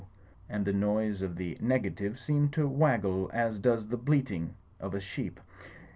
And the noise of the nega tive seemed to waggle as does the bleating of a sheep.